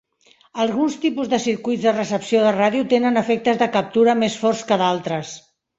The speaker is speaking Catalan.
Alguns tipus de circuits de recepció de ràdio tenen efectes de captura més forts que d'altres.